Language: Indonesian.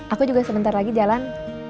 aku juga sebentar lagi jalan